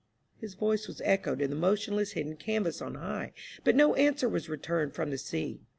His voice was echoed in the motionless hidden canvas on high ; but no answer was returned from the sea.